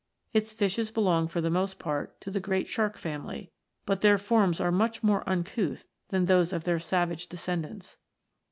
Its fishes belong for the most part to the great Shark family, but their forms are much more uncouth than those of their savage de O scendants.